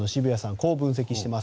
こう分析しています。